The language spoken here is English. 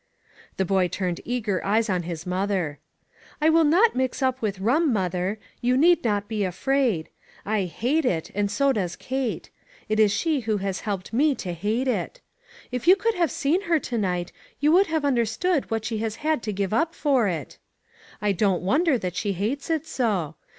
The boy turned eager eyes on his mother. "I will not mix up with rum, mother. You need riot be afraid. I hate it, and so does Kate. It is she who has helped me to hate it. If you could have seen her to night, you would have understood what she has had to give up for it. I don't wonder that she hates it so.